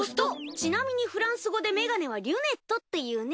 ちなみにフランス語でメガネはリュネットっていうね。